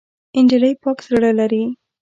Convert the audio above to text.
نجلۍ پاک زړه لري.